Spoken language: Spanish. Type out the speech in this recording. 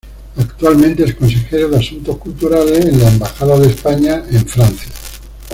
Actualmente es Consejero de Asuntos Culturales en la Embajada de España en Francia.